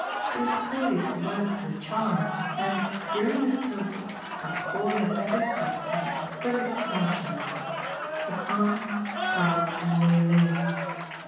It was clearly to work to a charm and, during this process by calling at every step for an exquisite management "to haunt, to startle and waylay."